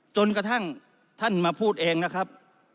จนกระทั่งท่านมาพูดเองนะครับ